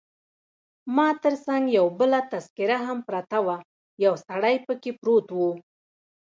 ما تر څنګ یو بله تذکیره هم پرته وه، یو سړی پکښې پروت وو.